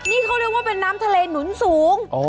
นี่เขาเรียกว่าเป็นน้ำทะเลหนุนสูง